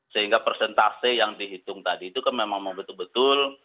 sehingga persentase yang dihitung tadi itu kan memang betul betul